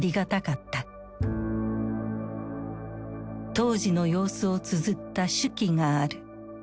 当時の様子をつづった手記がある。